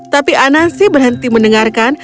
tapi anansi berhenti mendengarkan